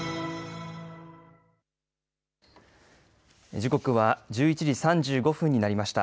時刻は１１時３５分になりました。